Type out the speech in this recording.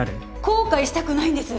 後悔したくないんです。